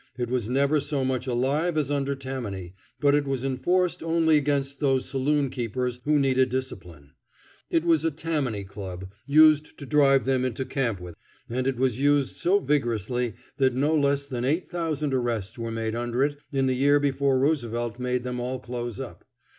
It was never so much alive as under Tammany, but it was enforced only against those saloon keepers who needed discipline. It was a Tammany club, used to drive them into camp with; and it was used so vigorously that no less than eight thousand arrests were made under it in the year before Roosevelt made them all close up.